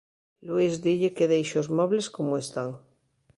Luís dille que deixe os mobles como están.